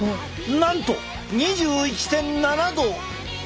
なんと２１．７度！